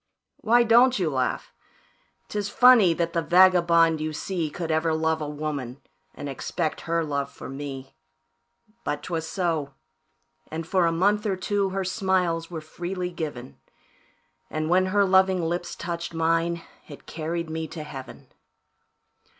"Why don't you laugh? 'Tis funny that the vagabond you see Could ever love a woman, and expect her love for me; But 'twas so, and for a month or two, her smiles were freely given, And when her loving lips touched mine, it carried me to Heaven.